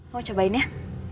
kau mau cobain ya